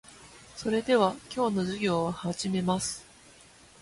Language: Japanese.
それでは、今日の授業を始めます。